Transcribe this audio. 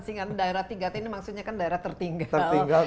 singkatan daerah tingkat ini maksudnya kan daerah tertinggal